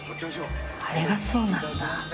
あれがそうなんだ。